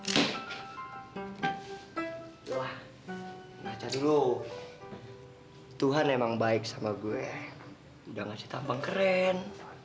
nah cari lo tuhan emang baik sama gue udah ngasih tampang keren